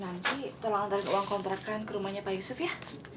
nanti tolong cari uang kontrakan ke rumahnya pak yusuf ya